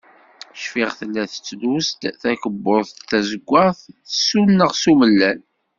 Cfiɣ, tella tettlus-d takebbuḍt d tazeggaɣt, tsuneɣ s umellal.